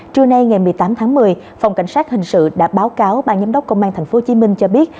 trưa nay ngày một mươi tám tháng một mươi phòng cảnh sát hình sự đã báo cáo ban giám đốc công an tp hcm cho biết